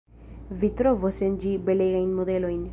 Vi trovos en ĝi belegajn modelojn.